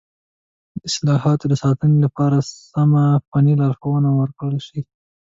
د حاصلاتو د ساتنې لپاره سمه فني لارښوونه ورکړل شي.